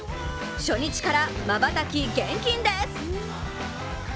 初日からまばたき厳禁です！